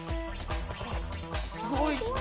すごい！